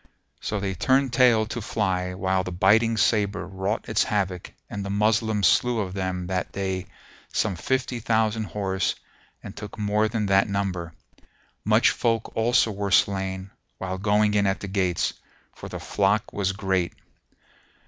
So they turned tail to fly while the biting sabre wrought its havoc and the Moslems slew of them that day some fifty thousand horse and took more than that number: much folk also were slain while going in at the gates, for the flock was great.